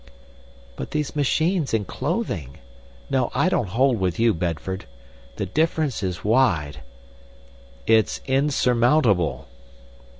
"But these machines and clothing! No, I don't hold with you, Bedford. The difference is wide—" "It's insurmountable."